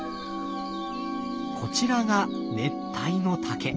こちらが熱帯の竹。